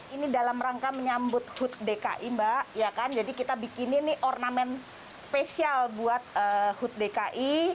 ini dalam rangka menyambut hut dki mbak jadi kita bikinin nih ornamen spesial buat hut dki